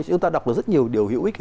chúng ta đọc được rất nhiều điều hữu ích